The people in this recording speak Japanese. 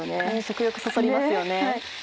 食欲そそりますよね。